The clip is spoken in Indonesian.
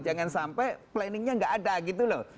jangan sampai planningnya nggak ada gitu loh